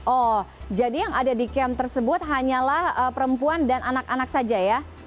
oh jadi yang ada di camp tersebut hanyalah perempuan dan anak anak saja ya